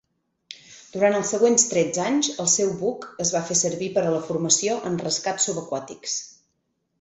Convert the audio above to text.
Durant els següents tretze anys, el seu buc es va fer servir per a la formació en rescats subaquàtics.